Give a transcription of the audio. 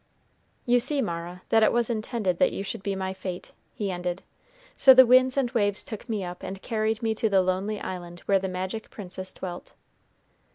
"You see, Mara, that it was intended that you should be my fate," he ended; "so the winds and waves took me up and carried me to the lonely island where the magic princess dwelt."